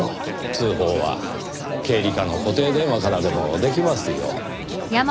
通報は経理課の固定電話からでもできますよ。